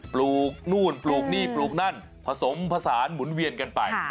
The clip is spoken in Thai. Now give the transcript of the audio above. ปลูกนู่นปลูกนี่ปลูกนั่นผสมผสานหมุนเวียนกันไป